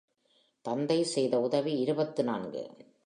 தந்தை செய்த உதவி இருபத்து நான்கு.